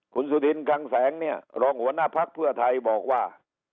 คุณสุธินคังแสงเนี่ยรองหัวหน้าพักเพื่อไทยบอกว่า